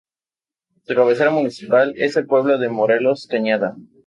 Su cabecera municipal es el pueblo de Morelos Cañada.